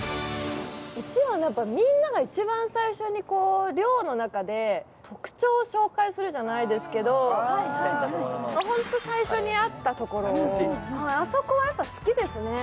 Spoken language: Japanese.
１話でみんなが一番最初に寮の中で特徴を紹介するじゃないですけど、ホント最初に会ったところ、あそこはやっぱ好きですね。